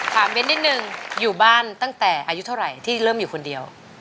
เน้นนิดนึงอยู่บ้านตั้งแต่อายุเท่าไหร่ที่เริ่มอยู่คนเดียว